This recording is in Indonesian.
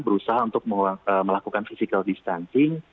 berusaha untuk melakukan physical distancing